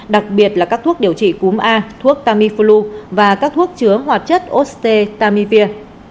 đặc biệt là các thuốc điều trị cúm a thuốc tamiflu và các thuốc chứa hoạt chất ost tamivir